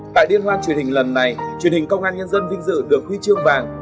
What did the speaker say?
tại liên hoan truyền hình lần này truyền hình công an nhân dân vinh dự được huy chương vàng